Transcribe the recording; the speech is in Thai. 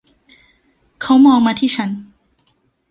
เขามองมาที่ฉัน